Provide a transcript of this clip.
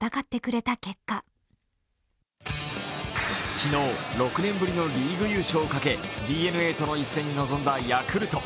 昨日、６年ぶりのリーグ優勝をかけＤｅＮＡとの一戦に臨んだヤクルト。